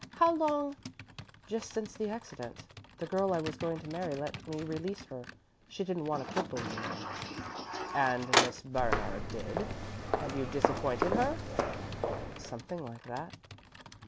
How long " "Just since the accident. The girl I was going to marry let me release her. She didn't want a cripple, you know." "And Miss Bernard did, and you've disappointed her?" "Something like that."